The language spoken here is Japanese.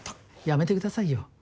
やめてくださいよ。